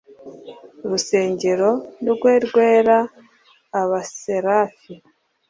rusengero rwe rwera Abaserafi